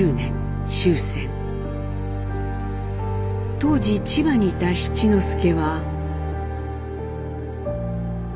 当時千葉にいた七之助は。